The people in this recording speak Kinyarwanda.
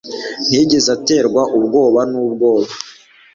Ntiyigeze aterwa ubwoba nubwoba